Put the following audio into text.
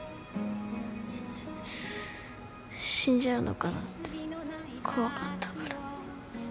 死んじゃうのかなって怖かったから。